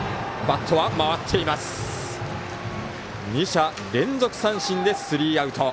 ２者連続三振でスリーアウト。